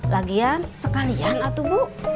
lagian sekalian atuh bu